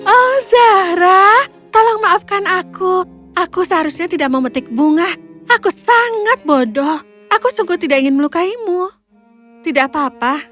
oh zahra tolong maafkan aku aku seharusnya tidak memetik bunga aku sangat bodoh aku sungguh tidak ingin melukaimu tidak apa apa